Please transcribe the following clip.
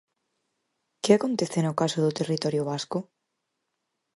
¿Que acontece no caso do territorio vasco?